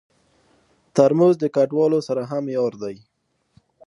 ترموز د کډوالو سره هم یار دی.